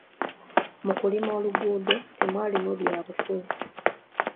Mu kulima oluguudo temwalimu byabufuzi.